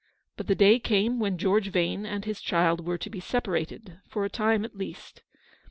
But the day came when George Yane and his child were to be separated, for a time at least.